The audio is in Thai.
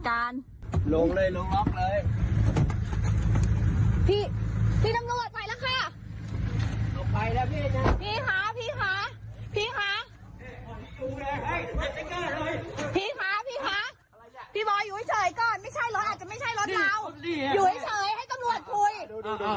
ก็ไม่เป็นไรค่ะพี่พี่บอยหยุดหยุด